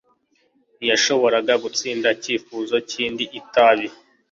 Ntiyashoboraga gutsinda icyifuzo cy'indi itabi